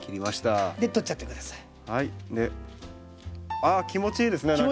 あ気持ちいいですね何か。